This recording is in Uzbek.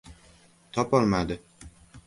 Topolmadi.